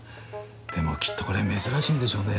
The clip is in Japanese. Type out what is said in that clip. でもきっとこれ珍しいんでしょうね。